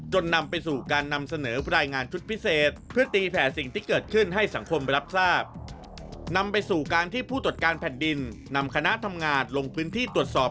นำไปสู่การนำเสนอรายงานชุดพิเศษเพื่อตีแผ่สิ่งที่เกิดขึ้นให้สังคมไปรับทราบ